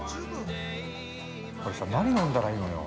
◆俺さ、何飲んだらいいのよ。